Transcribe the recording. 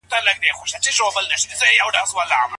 هيڅ نبي نقاشي سوي ځای ته نه ننوځي.